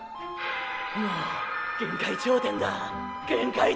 もう限界頂点だ限界頂点だ！